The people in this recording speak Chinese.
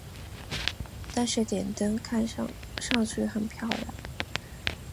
但是点灯上去很漂亮